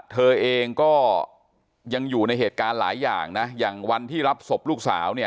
เธอเองก็ยังอยู่ในเหตุการณ์หลายอย่างนะอย่างวันที่รับศพลูกสาวเนี่ย